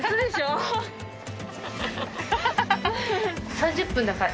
３０分だから。